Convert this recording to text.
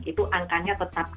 itu angkanya tetap